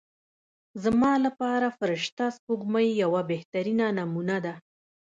زما لپاره فرشته سپوږمۍ یوه بهترینه نمونه ده.